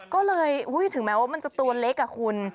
ก็เลยถึงแม้ว่ามันจะตัวเล็กอะคุณ